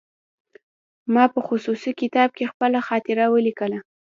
ما په مخصوص کتاب کې خپله خاطره ولیکله.